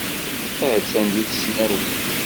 Attan deg tesnawit.